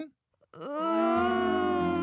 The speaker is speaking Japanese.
うん。